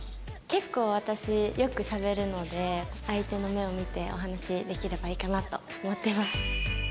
結構私よくしゃべるので相手の目を見てお話しできればいいかなと思ってます。